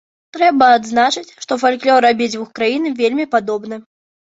Трэба адзначыць, што фальклор абедзвюх краін вельмі падобны.